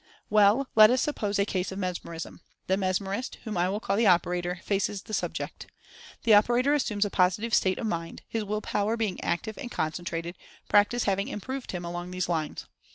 Well, let us suppose a case of Mesmerism. The Mesmerist, whom I will call the "operator," faces the "subject." The operator assumes a positive state of mind, his Will Power being active and concentrated, practice having improved him along these lines.